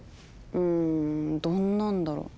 んどんなんだろう？